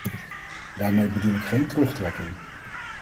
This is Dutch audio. Daarmee bedoel ik geen terugtrekking.